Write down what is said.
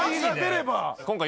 今回。